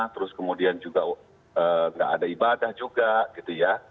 terus kemudian juga nggak ada ibadah juga gitu ya